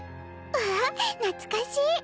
わあ懐かしい。